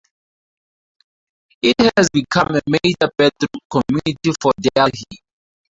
It has become a major bedroom community for Delhi.